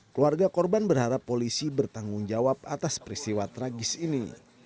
keluarga korban berharap polisi bertanggung jawab atas peristiwa tragis ini